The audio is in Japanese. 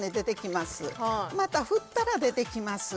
また振ったら出てきます